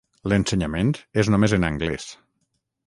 L'ensenyament és només en anglès.